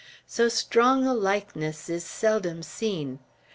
So strong a likeness is seldom seen.